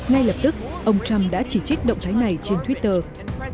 ngay lập tức ông trump đã chỉ trích động thái này trên twitter